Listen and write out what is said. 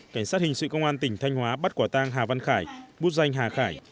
cảnh sát hình sự công an tỉnh thanh hóa bắt quả tang hà văn khải bút danh hà khải